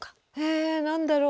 え何だろう。